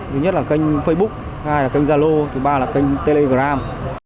thứ nhất là kênh facebook hai là kênh zalo thứ ba là kênh telegram